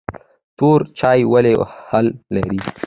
تور چای ولې هل لري؟